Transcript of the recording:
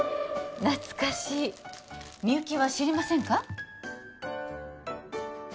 懐かしいみゆきは知りませんか？